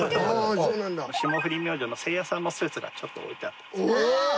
霜降り明星のせいやさんのスーツがちょっと置いてあったんですけど。